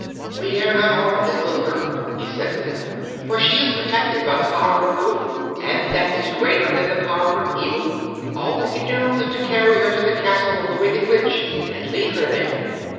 "We dare not harm this little girl," he said to them, "for she is protected by the Power of Good, and that is greater than the Power of Evil. All we can do is to carry her to the castle of the Wicked Witch and leave her there."